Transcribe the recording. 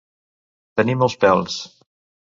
Tenir molts pèls.